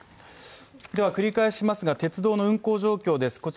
では繰り返しますが鉄道の運行状況です